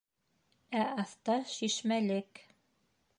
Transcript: Ә аҫта - шишмәлек.